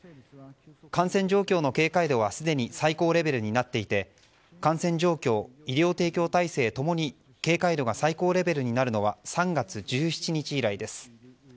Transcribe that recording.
感染状況の警戒度はすでに最高レベルになっていて感染状況、医療提供体制共に警戒度が最高レベルになるのは３月１７日以来です。